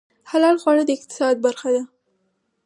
حلال خواړه د اقتصاد برخه ده